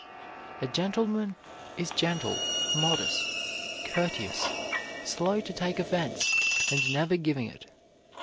A gentleman is gentle, modest, courteous, slow to take offense, and never giving it.